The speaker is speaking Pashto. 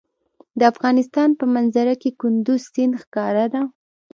د افغانستان په منظره کې کندز سیند ښکاره ده.